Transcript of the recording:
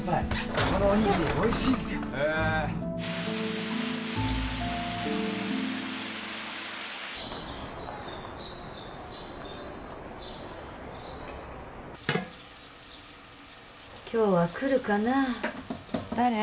ここのおにぎりおいしいんすよへえ今日は来るかな誰？